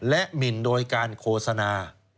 และหมินโดยการโฆษณา